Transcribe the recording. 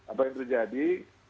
apa yang terjadi